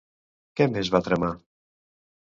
Què més va tramar?